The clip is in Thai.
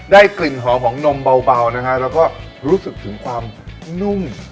กลิ่นหอมของนมเบานะฮะแล้วก็รู้สึกถึงความนุ่ม